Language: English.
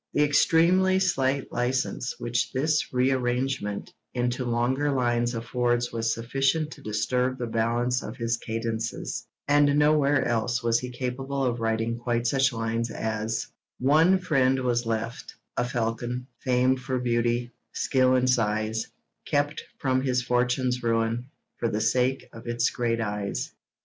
The extremely slight licence which this rearrangement into longer lines affords was sufficient to disturb the balance of his cadences, and nowhere else was he capable of writing quite such lines as: One friend was left, a falcon, famed for beauty, skill and size, Kept from his fortune's ruin, for the sake of its great eyes.